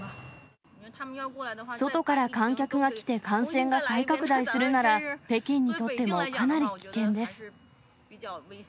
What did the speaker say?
外から観客が来て、感染が再拡大するなら、北京にとってもかなり危険です。